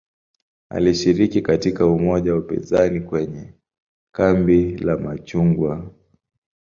Alishiriki katika umoja wa upinzani kwenye "kambi la machungwa".